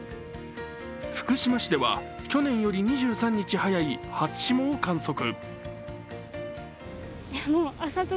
福島市では去年より２３日早い初霜を観測。